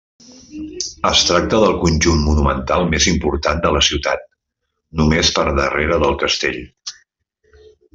Es tracta del conjunt monumental més important de la ciutat, només per darrere del Castell.